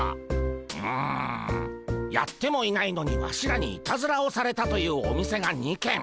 うむやってもいないのにワシらにいたずらをされたというお店が２軒。